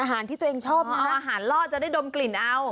อาหารที่ตัวเองชอบมาอาหารล่อจะได้ดมกลิ่นเอา